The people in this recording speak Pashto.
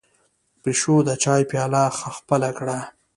پيشو د چای پياله خپله کړه.